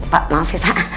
pak maaf ya pak